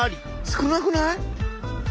少なくない？